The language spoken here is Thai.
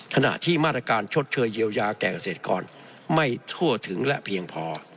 ขณะที่มาตรการชดเชยเยียวยาแก่เกษตรกรไม่ทั่วถึงและเพียงพอ